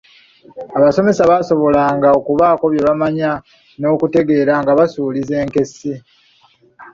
Abasomesa baasobolanga okubaako bye bamanya n'okutegeera nga basuuliza enkessi.